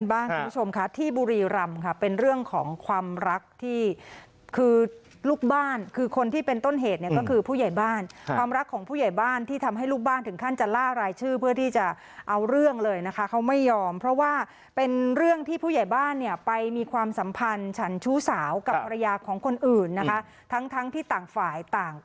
คุณผู้ชมค่ะที่บุรีรำค่ะเป็นเรื่องของความรักที่คือลูกบ้านคือคนที่เป็นต้นเหตุเนี่ยก็คือผู้ใหญ่บ้านความรักของผู้ใหญ่บ้านที่ทำให้ลูกบ้านถึงขั้นจะล่ารายชื่อเพื่อที่จะเอาเรื่องเลยนะคะเขาไม่ยอมเพราะว่าเป็นเรื่องที่ผู้ใหญ่บ้านเนี่ยไปมีความสัมพันธ์ฉันชู้สาวกับภรรยาของคนอื่นนะคะทั้งทั้งที่ต่างฝ่ายต่าง